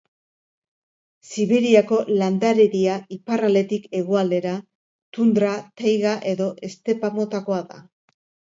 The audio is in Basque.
Siberiako landaredia, iparraldetik hegoaldera, tundra, taiga edo estepa motakoa da.